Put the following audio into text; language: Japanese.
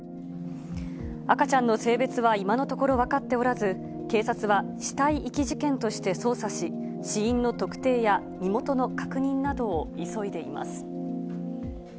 赤ちゃんの性別は今のところ分かっておらず、警察は、死体遺棄事件として捜査し、死因の特定や身元の確認などを急いでいます。